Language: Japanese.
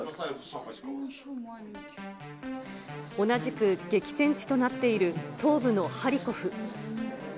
同じく激戦地となっている東部のハリコフ。